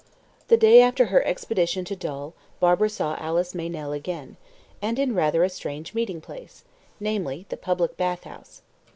The day after her expedition to Dol, Barbara saw Alice Meynell again, and in rather a strange meeting place namely, the public bath house.